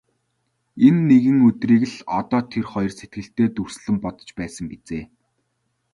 Энэ нэгэн өдрийг л одоо тэр хоёр сэтгэлдээ дүрслэн бодож байсан биз ээ.